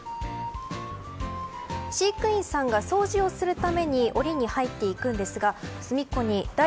飼育員さんが掃除をするためにおりに入っていくんですが隅っこに、だ